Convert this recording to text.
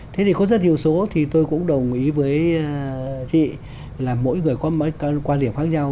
thế thì có rất nhiều số thì tôi cũng đồng ý với chị là mỗi người có quan điểm khác nhau